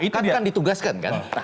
kan ditugaskan kan